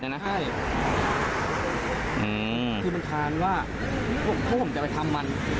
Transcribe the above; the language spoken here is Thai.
ใช่ครับเค้าไม่รู้เลยเค้ามีเรื่องกันมาก่อนด้านนอก